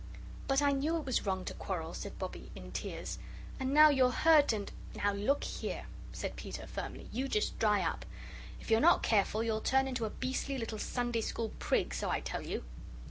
"But I knew it was wrong to quarrel," said Bobbie, in tears, "and now you're hurt and " "Now look here," said Peter, firmly, "you just dry up. If you're not careful, you'll turn into a beastly little Sunday school prig, so I tell you."